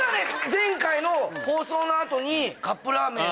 前回の放送の後にカップラーメンを。